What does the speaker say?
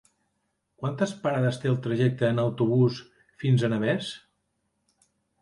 Quantes parades té el trajecte en autobús fins a Navès?